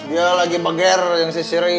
dia lagi bager dengan si siri